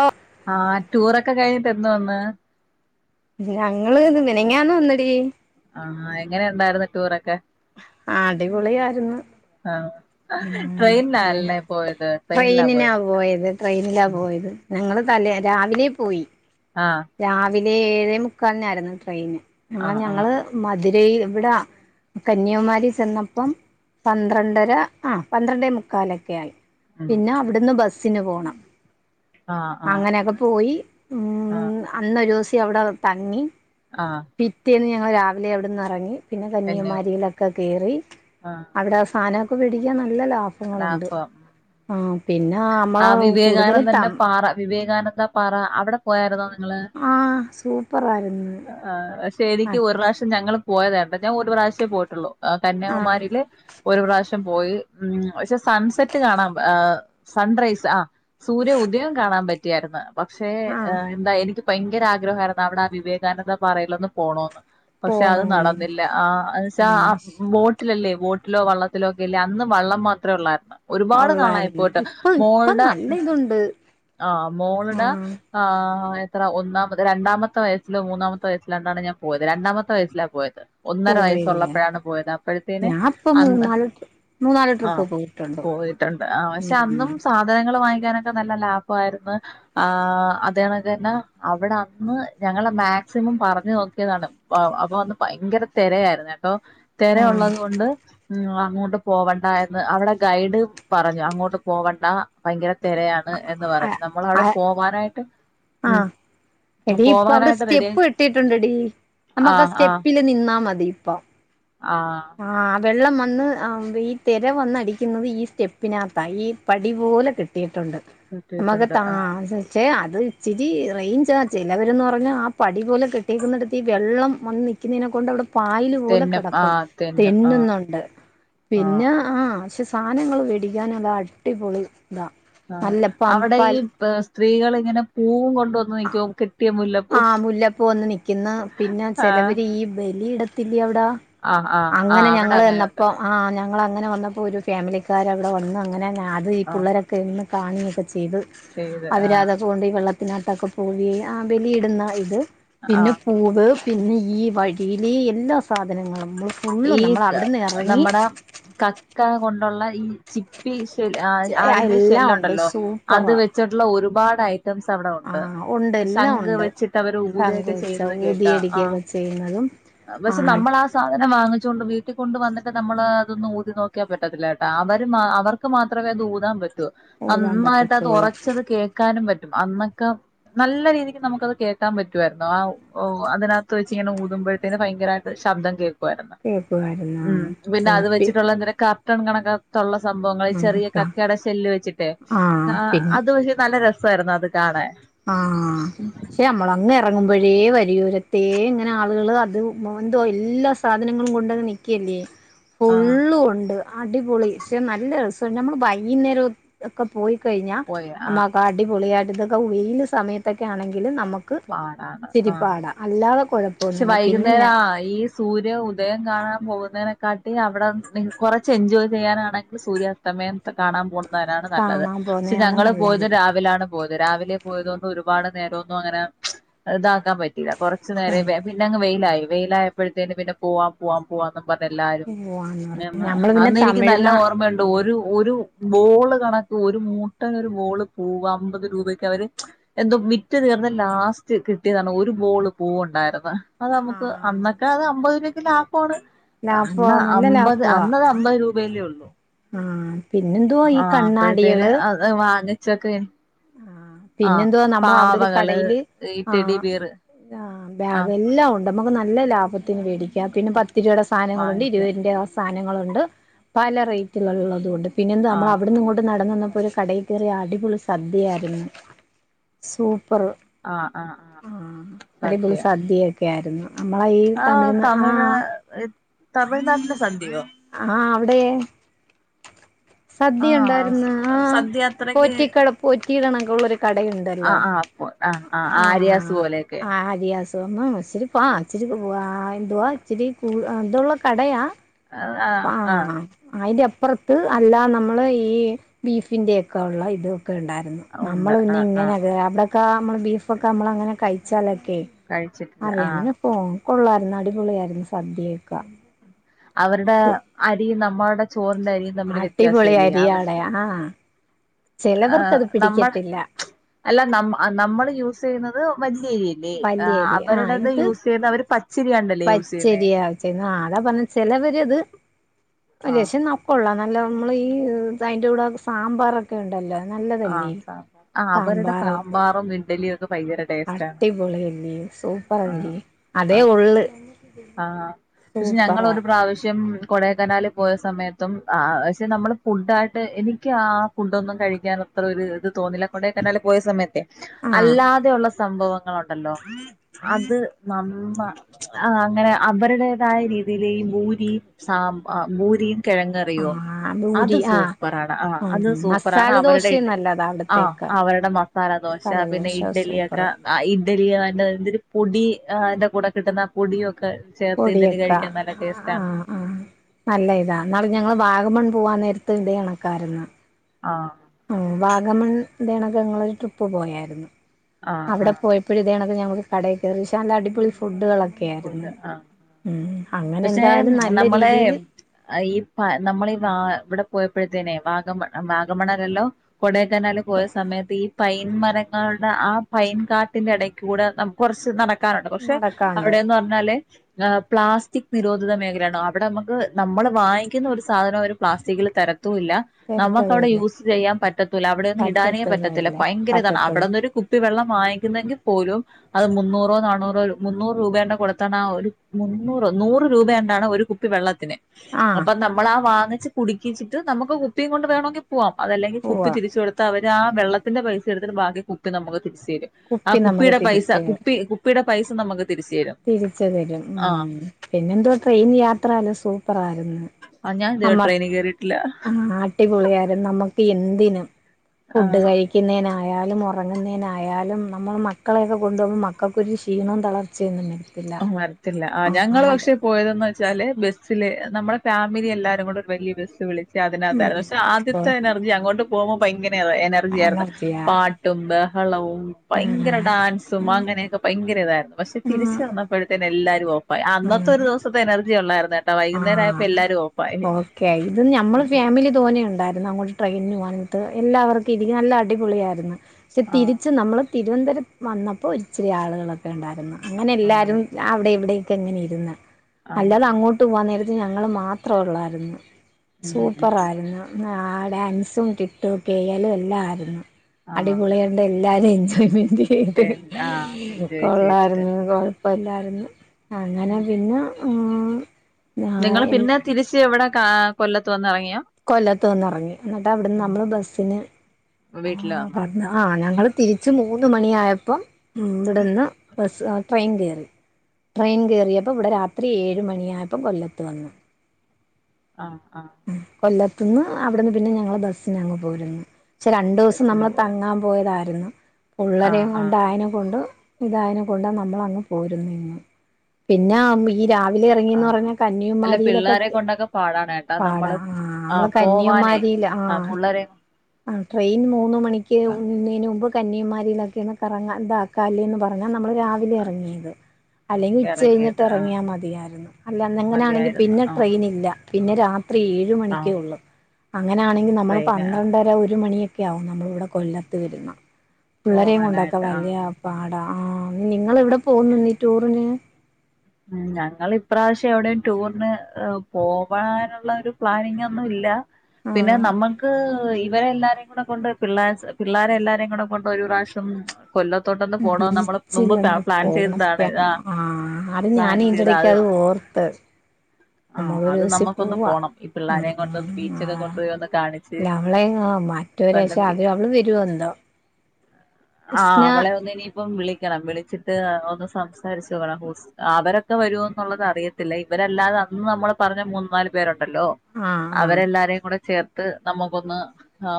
ഓഹ് ആഹ് ടൂറൊക്കെ കയിഞ്ഞിട്ട് എന്ന് വന്ന്. ഞങ്ങള് ത് മിനിഞ്ഞാന്ന് വന്നടി. ആഹ് എങ്ങനെ ഉണ്ടായിരുന്നു ടൂറൊക്കെ? ആഹ് അടിപൊളിയായിരുന്നു. ആഹ് ഉം എഹ് ട്രെയിനിലല്ലേ പോയത് ട്രെയിനിലാ ട്രെയിനിനാ പോയത്, ട്രെയിനിലാ പോയത്. ഞങ്ങള് തലേ രാവിലെ പോയി. ആഹ് രാവിലെ ഏഴേ മുക്കാലിനായിരുന്നു ട്രെയിന്, അങ്ങനെ ആഹ് ആഹ് ഞങ്ങള് മധുരയിൽ ഇവട കന്യാകുമാരി ചെന്നപ്പം പന്ത്രണ്ടര ആഹ് പന്ത്രണ്ടേ മുക്കാലൊക്കെ ആയി. ഉം പിന്നെ അവിടുന്ന് ബസ്സിന് പോണം, ആഹ് ആഹ് അങ്ങനെയൊക്കെ പോയി, ആഹ് മ് അന്നൊരുസെ അവിടെ തങ്ങി. ആഹ് പിറ്റേന്ന് ഞങ്ങൾ രാവിലെ അവിടെന്ന് എറങ്ങി, പിന്നെ കന്യകുമാരിയിലൊക്കെ കേറി, ആഹ് അവിടെ സ് സാനൊക്കെ വേടിക്കാൻ നല്ല ലാ ലാഭം ആ നമ്മള് കൂടുതല് വിവേകാനന്ദന്റെ തം പാറ വിവേകാനന്ദ പറ അവട പോയായിരുന്നോ നിങ്ങള്? ആഹ് സൂപ്പറായിരുന്ന് ആ പക്ഷേ എനിക്ക് ഒരു പ്രാവശ്യം ഞങ്ങള് പോയതാണ്ട ഞാൻ ഒരു പ്രാവശ്യ പോയിട്ടുള്ളൂ ആഹ് ആ കന്യാകുമാരില് ഒരു പ്രാവശ്യം പോയി ഉം പക്ഷെ സൺസെറ്റ് കാണാം ആ സൺറൈസ് ആഹ് സൂര്യ ഉദയം കാണാൻ പറ്റിയായിരുന്ന് പക്ഷേ ആ എന്താ എനിക്ക് ഭയങ്കര ആഗ്രഹായിരുന്നു അവിടെ ആ വിവേ വിവേകാനന്ദ പാറയലൊന്ന് പോണോന്ന് പക്ഷെ അത് പോണോന്ന് നടന്നില്ല ആ എന്നുവെച്ച ഉം ആ ബോ ട്ടിലല്ലേ വോട്ടിലോ വള്ളത്തിലോ ഒക്കെ അല്ലേ അന്ന് വള്ളം മാത്രമേ ഒള്ളായിരുന്നു ഒരുപാട് നാളായി ഒള്ളായിരുന്നു പോയിട്ട് ഇപ്പൊ ഇപ്പൊ മോൾട നല്ല ഉം ഇതുണ്ട് ആഹ് ആ മോളുട ആഹ് എത്ര ഒന്നാമത് രണ്ടാമത്തെ വയസ് മൂന്നാമത്ത വയസ്സിലണ്ടാണ് ഞാൻ പോയത് രണ്ടാമത്തെ വയസ്സിലാ പോയത് ഒന്നര പോയില്ല വയസ്സൊള്ളപ്പഴാണ് പോയത് അപ്പോഴത്തേന് ഞാൻ ഇപ്പൊ അന്ന് മൂന്നാല് മൂന്നാല് ആഹ് ട്രിപ്പ് പോയിട്ടുണ്ട് പോയിട്ടുണ്ട് ആ പക്ഷെ അന്നും ഉം സാ ധനങ്ങള് വാങ്ങിക്കാനൊക്കെ നല്ല ലാഭായിരുന്നു ആ അതണക്ക തന്നെ അവിടെ അന്ന് ഞങ്ങള് മാക്സിമം പറഞ്ഞു നോക്കിയതാണ് അപ്പൊ അന്ന് ഭയങ്കര തെരയായിരുന്നുട്ടൊ തെര ഒളളത് ആ കൊണ്ട് ഉം അങ്ങോട്ട് പോവണ്ട എന്ന് അവിടെ ഗൈഡ് പറഞ്ഞു അങ്ങോട്ട് പോവണ്ടാ ഭയങ്കര തെരയാണ് എന്ന് പറഞ്ഞ് നമ്മൾ ആ അവിടെ പോവാനായിട്ട് ആ ഉം എടീ ഇപ്പൊ അവിടെ പോവാനായിട്ട് സ്റ്റെപ്പ് റെഡിയായി കെട്ടിയിട്ടുണ്ടെടി നമ്മക്ക് ആ സ്റ്റെപ്പില് നിന്നാ മതി ഇപ്പൊ ആഹ് ആ വെള്ളം വന്ന് ഈ തിര വന്നടിക്കുന്നത് ഈ സ്റ്റെപ്പിനകത്താ ഈ പടി പോലെ കെട്ടിയിട്ടുണ്ട് നമുക്ക് കിട്ടിയിട്ടുണ്ട് താ ആ പക്ഷേ അത് ഇച്ചിരി റെയിഞ്ചാ ചിലവരെന്ന് പറഞ്ഞാൽ ആ പടി പോലെ കെട്ടിക്കുന്നിടുത്ത് ഈ വെള്ളം വന്ന ക്കുന്നേന കൊണ്ട് അവിടെ പായലും തെന്നും ആഹ് തെന്നുന്നുണ്ട് പിന്നെ ആ ആഹ് ആശ് സാധനങ്ങള് വേടിക്കാൻ അത് അടിപൊളി ഇതാ ആഹ് നല്ല അവിടെ ഈ പമ്പാൽ സ്ത്രീകൾ ഇങ്ങനെ പൂവും കൊണ്ടുവന്ന് നനക്കോ കെട്ടിയ മുല്ലപ്പൂ ആഹ് മുല്ലപ്പൂ വന്ന് നിക്കുന്നു പിന്നെ ആഹ് ചെലവര് ഈ ബലിയിടത്തില്ലേ അവിട ആഹ് ആഹ് അങ്ങനെ ആഹ് അവിടെ ഞങ്ങള് അങ്ങനെയുണ്ട് ചെന്നപ്പോ ആഹ് ഞങ്ങളങ്ങന വന്നപ്പോ ഒരു ഫാമിലിക്കാര് അവിടെ വന്ന് അങ്ങനെ അത് ആഹ് പുള്ളര ന്ന് കാണ്കേക്ക ചെയ്ത് ചെയ്ത് അവരാ ആഹ് അതൊക്ക കൊണ്ട് ഈ വെള്ളത്തിനാട്ടക്ക തൂവി ബലിയിടുന്ന ഇത് പിന്ന ആഹ് പൂവ് പിന്നെ ഈ വഴിയില് എല്ലാ സാധനങ്ങളും നമ്മള് ഫുള്ളും ഈ നമ്മൾ അവിടുന്ന് എറങ്ങി നമ്മടെ കക്ക കൊണ്ടുള്ള ഈ ചി പ്പി ഷെൽ അതിന്റെ എല്ലാം ഉണ്ട് ശെല്ലൊണ്ടല്ലോ അത് സൂപ്പറാ വെച്ചിട്ടൊള്ള ഒരുപാട് ഐ റ്റംസ് അവിടെ ഒണ്ട് ആഹ് ഉണ്ട് എല്ലാം ശംഖ് ഉണ്ട് വെച്ചിട്ട് അവര് ഊതേക്ക ശംഖുച്ച ചെയ്തത് കേക്കാം ആഹ് ഊതിയടിക്കുകയൊക്കെ ചെയ്യുന്നതും പക്ഷെ ആഹ് നമ്മളാ അങ്ങനെ വാങ്ങിച്ചോണ്ട് വീട്ടി കൊണ്ട് വന്നിട്ട് നമ്മള് അതൊന്ന് ഊതി നോക്കിയാ പറ്റത്തില്ല കേട്ടാ അവര് അവർ ക്ക് മാത്രമേ അത് ഊതാൻ പറ്റൂ ഓടാൻ നന്നായിട്ട് അത് പറ്റത്തോളം ഒറച്ചത് കേക്കാനും പറ്റും അന്നൊക്ക നല്ല രീതിക്ക് നമുക്കത് കേൾക്കാൻ പറ്റുമായിരുന്നു ആ അതിനകത്ത് വെച്ച് ഇങ്ങന ഊതുമ്പോഴത്തേന് ഭയങ്കരാ ശബ്ദം കേൾക്കുവായിരുന്നു കേൾക്കുവായിരുന്നാ ഉം പിന്നെ അത് എനിക്ക് വെച്ചിട്ടുള്ള എന്തരാ കട്ടൺ കണക്ക തൊള്ള സംഭവങ്ങൾ ചെറിയ അങ്ങത്താ കക്കയുടെ ഷെല്ല് വെച്ചിട്ടെ ആഹ് അത് പക്ഷെ നല്ല രസായിരുന്നു അത് കാണാൻ ആഹ് ശെ അമ്മള അങ്ങ് എറങ്ങുമ്പഴേ വരിയോരത്തെ ഇങ്ങനെ ആളുകൾ അത് എന്തോ എല്ലാ സാധനങ്ങളും കൊണ്ടങ്ങ് നിക്കേല്ലേ [inaudible] ഫുള്ളും ഒണ്ട് അടിപൊളി പക്ഷെ നല്ല രസ ഞമ്മള് ബൈകുന്നേരം ഒക്കെ പോയി കഴിഞ്ഞാ പോയ ആ നമ്മക്ക് അടിപൊളിയായിട്ട് ഇതൊക്കെ വെയില് സമയത്തൊക്കെ ആണെങ്കിലും നമുക്ക് പാടാണ് ആ ഇച്ചിരി പാടാ അല്ലാതെ പക്ഷെ കുഴപ്പമൊന്നുമില്ല പിന്നെ വൈകുന്നേരം ഞാൻ ആ ഈ സൂര്യ ഉദയം കാണാൻ പോകുന്നതിനെക്കാട്ടി അവിടെ കുറച്ച് എൻജോയ് ചെയ്യാനാണെങ്കിൽ സൂര്യാസ്ത സമയം കാണാൻ പോകുന്നതിനാണ് നല്ലത്, കാണാൻ പോവുന്നയാണ് പക്ഷെഞങ്ങള് പോയത് നല്ലത് രാവിലെ. രാവിലാണ് പോയത് രാവിലെ- പോയതൊണ്ട് ഒരുപാട് നേരോന്നും അങ്ങനെ- ഇതാക്കാൻ പറ്റില്ല കുറച്ചു നേരെ ബൈ. പിന്നെങ്ങ് വെയിലായി, വെയിലായപ്പോഴത്തേനും പിന്നെ പോവാം - പോവാം പോവാന്ന്പറഞ്ഞു- എല്ലാരും, പോവാന്ന് പറഞ്ഞു പിന്ന ഞമ്മള് പിന്നെ അന്ന് എനിക്ക് നല്ല തമിഴ്നാ ഓർമ്മയുണ്ട്. ബോള് കണക്ക് ഒരു. പെട്ടെന്നൊരു ബോള് പോവ്വാ- അമ്പത് രൂപക്ക് അവര് എന്തോ വിറ്റ് തീർന്ന് ലാസ്റ്റ്- സ്റ്റ് കിട്ടിയതാണ് ഒരു ബോള്- പൂവുണ്ടായിരുന്ന് അത് നമുക്ക് ആഹ് അന്നെ- അത് അമ്പത് രൂപക്ക് ലാഭാണ്. ലാഭവാ അന്ന് നല്ല അമ്പത് അന്നത് അമ്പത് രൂപയല്ലേയുള്ളൂ. ആഹ് പിന്നെന്തുവാ ഈ അപ്പോഴത്തേന് കണ്ണാടികള്- അത് വാങ്ങിച്ചൊക്കെ- ആ ആ പിന്നെന്തുവാ, നമ്മളവിടൊരു പാവകള് കടയില് ഈ ടെഡി ആഹ് ബിയർ ആ ബാഗെല്ലാം ഉണ്ട്. നമുക്ക് നല്ല ലാഭത്തിന് മേടിക്കാം, പിന്നെ പത്ത് രൂപയുടെ സാധനങ്ങളുണ്ട്, വാങ്ങിക്കും ഇരുപതിന്റെ- സാധനങ്ങളുണ്ട് പല റേറ്റിലുള്ളതുണ്ട് പിന്നെന്ത്, ആ നമ്മൾ അവിടുന്ന് ഇങ്ങോട്ട്- നടന്നുവന്നപ്പൊരു- കടയിൽ കയറി അടിപൊളി സദ്യയായിരുന്നു. സൂപ്പറ് ആ ആ ആ ആഹ് സത്യ അടിപൊളി- സദ്യയൊക്കെയായിരുന്നു. നമ്മളെ ഈ ആഹ് തമിഴ്ന്നാ ആഹ് തമിഴ് ആഹ്. തമിഴ്നാട്ടിലെ സദ്യയോ. ആഹാ അവിടെ. ആഹ് സദ്യയുണ്ടായിരുന്നു ആഹാ സദ്യ അത്രക്ക് പോറ്റിക്കട, പോറ്റിക്കണക്കുള്ളൊരു കടയു- ആഹാ ആഹാ അപ്പോ ആഹാ, ആഹാ ആര്യാസ് പോലെയൊക്കെ. ആര്യയാസുവെന്നോ ഇച്ചിരി പോ- ഇച്ചിരി എന്തുവാ, ഇച്ചിരി കു ഇതുള്ള കടയാ. ആഹ് ആഹ് ആഹാ... അതിന്റെ അപ്പുറത്ത് അല്ല നമ്മള്- ഈ ബീഫിന്റെ ഒക്കെയുള്ള- ഇതൊക്കെ ഉണ്ടായിരുന്നു. നമ്മൾ ഉണ്ട് പിന്നെ ആഹ് ഇങ്ങനെ- ആഹ് അവിടെക്കെ നമ്മള് ബീഫൊക്കെ, നമ്മളങ്ങനെ കഴിച്ചാലൊക്കെയെ- കഴിച്ചിട്ടില്ല ആഹ് അറിയാമെനെഫോ- കൊള്ളായിരുന്നു. അടിപൊളിയായിരുന്നു സദ്യയൊക്ക. അവരുടെ അരിയും, നമ്മളുടെ ചോറിന്റെ അരിയും, തമ്മില് വ്യത്യാസം അടിപൊളി ഇല്ലേ അവർ അരിയാണ്, ആഹ്... ആഹ് ചിലവർക്കത് നമ്മൾ പിടിക്കത്തില്ല. അല്ല ന നമ്മൾ യൂസ് ചെയ്യുന്നത് വല്യരിയ- ല്ലേ വല്യരി ആഹ് അവരുടത് ഇത് യൂസ് ചെയ്യുന്നത്- അവര് പച്ചരിയാണ്ടല്ലേ യൂസ് ചെയ്യുന്നേ. ആഹാ അതാ പറഞ്ഞെ ചിലവരത് ആഹ് രഷേ നം- കൊള്ളാം നല്ല നമ്മൾ ഈ, അതിന്റെ കൂടെ സാമ്പാറൊക്കെ- ഒക്കെയുണ്ടല്ലോ? നല്ല, ആഹാ ആഹാ അവരുടെ- സാമ്പാറും, ഇഡ്ഡലിയൊക്കെ ഭയങ്കര- ടേസ്റ്റ് ആണ് അട്ടിപൊളിയല്ലിയോ? സൂപ്പറല്ലേ? അതേ ഉള്ള്. ആഹാ, പക്ഷെ സൂപ്പറാ ഞങ്ങളൊരു പ്രാവശ്യം- കൊടേക്കനാല് പോയ സമയത്തും ആഹാ പക്ഷെ നമ്മള് ഫുഡായിട്ട്- എനിക്ക് ആഹാ ഫുഡൊന്നും കഴിക്കാൻ- അത്ര ഒരു ഇത് തോന്നില്ല- കൊടേക്കനാല് പോയ സമയത്തേ. ആഹ് അല്ലാതെയുള്ള സംഭവങ്ങളുണ്ടല്ലോ? അത് നമ്മ- ആഹാ അങ്ങനെ അവരുടേതായ രീതിയില് ഈ ഭൂരി, സാമ്പാ ഭൂരിയും കിഴങ്ങ്, റിയ്യോ ആഹ് അത് ഭൂരി ആഹ് സൂപ്പറാണ് ആഹാ, ഉം അത് സൂപ്പറാണ് മസാല ദോശയും അവരുടെ- നല്ലതാ ആഹ് അവിടത്തേക്കാ അവരുടെ മസാല ദോശ, മസാല പിന്നെ സൂപ്പറ് ഇഡലിയൊക്കെ- ആഹാ ഇഡലി അതിന്റെ എന്തര്, പൊടി അതിന്റെ കൂടെ കിട്ടുന്ന ആഹാ പൊടിയുമൊക്കെ. ചേർത്ത് ഇഡലി പൊടിയൊക്കെ കഴിക്കാൻ നല്ല ടേസ്റ്റാണ്. ആഹ് ആഹ് നല്ല ഇതാ ഇന്നാള് ഞങ്ങള് വാഗമൺ പോവാൻ നേരത്ത് ഇതേ, കണക്കാരുന്നു. ആഹാ.. ആഹ് വാഗമൺ- ന്റെകണക്കങ്ങളൊരു ട്രിപ്പ് പോയാരുന്നു ആഹ് അവിടെ ആഹ് പോയ- ഇപ്പഴേ ഇതേകണക്ക്‌ ഞാനൊരു കടയിൽ കയറി പക്ഷെ അടിപൊളി ഫുഡുകളൊ- ക്കെയായിരുന്നു, ഫുഡ് ആഹ് ഉം അങ്ങനെ പക്ഷെ എന്തായാലും നല്ല രീതിൽ- നമ്മളി ഈ വാ ഇവിടെ പോയപ്പോഴത്തേനെ, വാഗമൺ വാഗമണ്ണല്ലല്ലോ? കൊടെ- കൊടെക്കനാൽ പോയ സമയത്ത് ഈ പൈ- മരങ്ങളുടെ ആഹ് പൈൻ കാട്ടിന്റെ ഇടയ്ക്ക് കൂടെ നമ്മുക്ക് കുറച്ച് നടക്കാനുണ്ട് പക്ഷെ. നടക്കാണ്ട് എന്നു പറഞ്ഞാല് ആഹ് പ്ലാസ്റ്റിക് നിരോധിത മേഖലയാണ് അവിടെ നമുക്ക് നമ്മള് വാങ്ങിക്കുന്ന ഒരു സാധനം അവര് പ്ലാസ്റ്റിക്കിൽ തരു ത്തൂല്ല നമുക്ക് അവിടെ തരത്തതുമില്ല യൂസ് ചെയ്യാൻ പറ്റത്തുല്ല, അവിടെയെന്നും ഇടാനേ പറ്റത്തില്ല പറ്റത്തതുമില്ല ഭയങ്കര ഇതാണ് പറ്റത്തതും അവിടുന്നൊരു കു കുപ്പിവെള്ളം വാങ്ങിക്കുന്നെങ്കിൽ പോലും അത് മൂന്നുറോ നന്നൂറോ മൂ മുന്നൂർ രൂപയേണ്ട് കൊടുത്തേണ്ട് ഒരു മുന്നൂറ് നൂറ് രൂപയേണ്ടാണ് ഒരു കുപ്പി വെള്ളത്തിന്. ആഹ് അപ്പൊ നമ്മൾ ആഹ് വാങ്ങിച്ച് കുടിക്കിച്ചിട്ട് നമുക്ക് കുപ്പിയും കൊണ്ട് വേണമെങ്കിൽ. പോവാം, അത് അല്ലെങ്കിൽ കുപ്പി ഉവ്വ തിരിച്ച് കൊടുത്താൽ അവര് ആഹ് വെള്ളത്തിന്റെ പൈസ എടുത്തിട്ട് ബാക്കി കുപ്പി നമുക്ക് തിരിച്ചു തരും. കുപ്പി ആഹ് നമുക്ക് കുപ്പിടെ പൈസ തിരിച്ച് കുപ്പി കുപ്പിടെ പൈസ നമുക്ക് തിരിച്ച് തരും. തിരിച്ചു തരും, ആ ഉം പിന്നെന്തുവാ ട്രെയിൻ യാത്ര നല്ല സൂപ്പറായിരുന്നു. ആഹ് ഞാൻ ഇതുവരെ നമ്മക്ക് ട്രെയിനിൽ കേറിയിട്ടില്ല. ആഹ് അടിപൊളിയായിരുന്നു നമുക്ക് എന്തിനും ആ ഫുഡ് കഴി തിന്നുതിനനായാലും ഉറങ്ങുന്നതിനായാലും നമ്മൾ മക്കളെയൊക്കെ കൊണ്ടു പോകുമ്പോൾ മക്കൾക്കൊരു ക്ഷീണം തളർച്ച്. ചെയ്യുന്നുണ്ട് മരത്തില്ല ആഹ് ഞങ്ങള് പക്ഷെ. പോയതെന്ന് വെച്ചാല് ബസ്സില് നമ്മളെ ഫാമിലി എല്ലാരും കൂടെ ഒരു വലിയ ബസ്സ് വിളിച്ച്. ഒക്കെ അതിന് അകത്തായിരുന്നു, ഉം പക്ഷേ പോയ ആദ്യത്തെ എനർജി അങ്ങോട്ട് പോകുമ്പോൾ ഭയങ്കര എനർജിയായിരുന്നു എനർജിയാ പാ ട്ടും ബഹളവും ഭയങ്കര ആഹ് ഡാൻസും ആഹ് അങ്ങനെയൊക്കെ ഭയങ്കര ഇതായിരുന്നു, പക്ഷെ തിരിച്ച്. വരുമ്പോത്തേനും എല്ലാരും ഓഫായി അന്നത്തെ ഒരു ആഹ് ദിവസത്തെ എനർജി ഉള്ളായിരുന്നു കേട്ടോ വൈകുന്നേരം ആയപ്പോ എല്ലാരും ഓഫായി. ഓക്കേ ആയി ഇത് ഞമ്മള് ഉം. ഫാമി മിലി തെനെ ഉണ്ടായിരുന്നു അങ്ങോട്ട് ട്രെയിന് പോകാനിട്ട്, എല്ലാവർക്കും ഇരിക്കാൻ നല്ല അടിപൊളിയായിരുന്നു. പക്ഷേ ആഹ് തിരിച്ച് നമ്മൾ തിരുവനന്തപുരം വന്നപ്പോൾ ഒരു ഇച്ചിരി ആളുകളൊക്കെ ഉണ്ടായിരുന്നു, അങ്ങനെ ആള് എല്ലാവരും. ഞാൻ അവിടെയും ഇവിടെയും ഒക്കെ ഇങ്ങനെ ഇരുന്നു, ആഹ് അല്ലാതെ ആഹ് അങ്ങോട്ട് പോവാൻ നേരത്തെ ഞങ്ങൾ മാ ത്രയുള്ളായിരുന്നു ഉം ഉം സൂപ്പറായിരുന്നു. ആഹ് ഡാൻസും കിട്ടും പെയ്യാലും എല്ലാം ആയിരുന്നു ആഹ് അടിപൊളിയാണ്. അതുകൊണ്ട് എല്ലാരും എൻജോയ്മെന്റ് ചെയ്തു, എൻ ആഹ് എൻജോയ് ചെയ്തിട്ട് കൊള്ളായിരുന്നു. പ്പില്ലായിരുന്നു അങ്ങനെ പിന്നെ. ഉം ആ നിങ്ങൾ എൻ പിന്നെ തിരിച്ച് ഇവിടെ കാ കൊല്ലത്ത് വന്ന് ഇറങ്ങിയോ? കൊല്ലത്ത് വന്ന് ഇറങ്ങി, എന്നിട്ട് അവിടുന്ന് നമ്മള് ബസ്സിന് വീട്ടില് ആഹ് വന്നാ പറഞ്ഞോ. ആഹ് ഞങ്ങൾ തിരിച്ച് മൂന്ന് മണിയായപ്പം ഇവിടുന്ന്. ബസ്സ് ട്രെയിൻ കേറി ട്രെയിൻ കയറിയപ്പോൾ ഇവിടെ രാത്രി ഏഴ് മണിയായപ്പോൾ കൊല്ലത്ത് വന്നു. ആഹ് ആഹ് കൊല്ലത്തിന് അവിടുന്ന് പിന്നെ ഞങ്ങളെ ബസ്സിന് അങ്ങ് പോരുന്നു, പക്ഷെ രണ്ടു ദിവസം ബസിന് നമ്മള് പോയാ തങ്ങാൻ. പോയതായിരുന്നു ആഹ് ഉള്ളവരെയും കൊണ്ട് ആഹ് ആയേനെ കൊണ്ട്. ഇത് ആയേനെ കൊണ്ട് നമ്മൾ അങ്ങ് പോരുന്നു ഇന്ന് പിന്നെ ആഹ്. ഈ രാവിലെ ഇറങ്ങിയെന്ന് ആഹ് പറഞ്ഞാൽ അല്ല കന്യാകുമാരിയില് ഒക്കെ പിള്ളേരെ കേ കൊണ്ടൊക്കെ പാടാണ് കേട്ടോ നമ്മള് ആഹ് പോവാനെ കന്യാകുമാരിയില് ആഹ് പുള്ളരെയും. ആഹ് ട്രെയിൻ മൂന്ന് മണിക്ക് ഉന്നെന്നതിന് മുമ്പ്. കന്യാകുമാരിയിലൊക്കെ ആണ് കറങ്ങാ ഇതെക്കല്ലെന്ന് പറഞ്ഞു നമ്മള് രാവിലെ ഇറങ്ങിയത്. അല്ലെങ്കിൽ ഉച്ച കഴിഞ്ഞിട്ട് എറങ്ങിയത് ആഹ് ഇറങ്ങിയാൽ മതിയായിരുന്നു, അല്ല അങ്ങനെയാണെങ്കിൽ മതിയായിരുന്നു പിന്നെ ആഹ് ട്രെയിൻ ഇല്ല. പിന്നെ രാത്രി ഏഴ് മണിക്ക് ആഹ് ഒള്ളൂ, അങ്ങനൊണെങ്കിൽ നമ്മള് ട്രെയിന് ആഹ് പന്ത്രണ്ടര. ഇതാ ഒരു മണിയൊക്കെ ആവും നമ്മള് ഇവിടെ കൊല്ലത്ത് വരുന്നാ പിള്ളരെയും കൊണ്ടൊക്കെ പോവാനായിട്ട് ആഹ് വലിയ. പാടാ ആഹ് നിങ്ങൾ എവിടെ പോവുന്നു ഈ ടൂറിന്? ഉം ഞങ്ങള് ഇപ്രാവശ്യം എവിടെയും ടൂറിന് പോവാനുള്ള ഒരു പ്ലാനിങ് ഒന്നും ഇല്ല. ആ പിന്നെ നമുക്ക്‌. ഇവരെ എല്ലാരും കൂടെ കൊണ്ട് പിള്ളാ പിള്ളേരെ എല്ലാരും കൂടെ കൊണ്ട് ഒരു പ്രാവശ്യം. കൊല്ലത്തോട് ഒന്ന് പോണം നമ്മള് മുമ്പ് പ്ല ബീച്ചിലൊന്ന് പ്ലാൻ പോണം ചെയ്തു ആണ് ആഹ്. ആ അത് ഞാൻ പ്ലാൻ ഇതിന്റെ ചെയ്ത് ഇടയ്ക്ക് അത് ഓർത്തു. ആ നമുക്കൊരു അത് ദിവസം നമുക്കൊന്ന് പോവാം, പോണം ഈ പിള്ളാരെയും കൊണ്ടൊന്ന് ഉം ബീച്ചൊക്കെ ആഹ്. കൊണ്ടുപോയി ഒന്ന് കാണിച്ച് ല്ല അവളെ ആ മറ്റവരാശെ അവര് അവള് വരുവോ എന്തൊ ആഹ് അവളെ ഒന്ന് ഇനിയിപ്പം വിളി കണം വിളിച്ചിട്ട് ഒന്ന് സംസാരിചോക്കണം ഹുസ് അവരൊക്കെ വരു എന്നുള്ളത് അറിയത്തില്ല ഇവരല്ലാതെ അന്ന് നമ്മള് പറഞ്ഞ മൂന്ന് നാല് പേരുണ്ടല്ലോ, ആഹ് ആഹ് അവരെല്ലാരേയും കൂടെ ചേർത്ത് നമ്മുക്കൊന്ന്,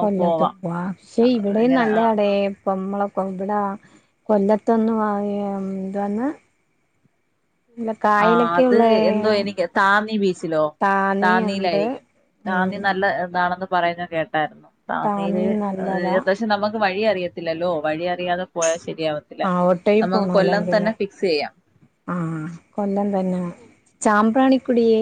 കൊല്ലത്ത് പോവാ പക്ഷെ ഇവിടെ ഇങ്ങനെ ആ നല്ല ഇടെ കൊമ്മളപ്പാ ഇവിടെ കൊല്ലത്തൊന്ന് വാങ്ങിയ എന്തന്ന് ആഹ് അത് ഉള്ള എന്തോ എനിക്ക് താന്നി ബീച്ചിലോ താന്നിയുണ്ട് താന്നിയിലായിരിക്കും താന്നി ഉം നല്ല താണെന്ന് പറയുന്ന കേട്ടായിരുന്നു താന്നില് താന്നി നല്ലതാ ഏകദേശ് പക്ഷെ നമക്ക് വഴി അറിയത്തില്ലല്ലോ വഴി അറിയതെ പോയാ ശെരിയാവ ആഹ് ഒട്ടയി പോണല്ലങ്കിലെ ചെയ്യാം ആഹ് കൊല്ലം തന്നെ ചാമ്പ്രാണിക്കുടി